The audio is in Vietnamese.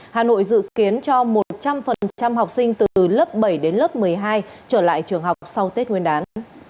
hà nội dự kiến cho một trăm linh học sinh từ lớp bảy đến lớp một mươi hai trở lại trường học sau tết nguyên đán